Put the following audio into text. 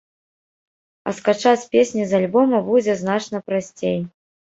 А скачаць песні з альбома будзе значна прасцей.